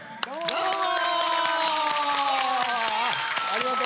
どうも。